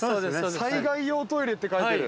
「災害用トイレ」って書いてる。